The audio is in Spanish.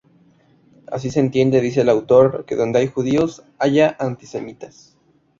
Así se entiende, dice el autor, que ""donde hay judíos"" haya antisemitas.